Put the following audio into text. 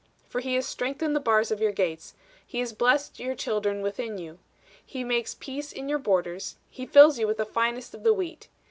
For he hath strengthened the bars of thy gates; he hath blessed thy children within thee. He maketh peace in thy borders ; he filleth thee with the finest of the wheat.